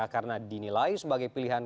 karena dinilai sebagai pilihan